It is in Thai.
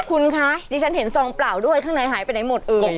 คุณคะดิฉันเห็นซองเปล่าด้วยข้างในหายไปไหนหมดเลย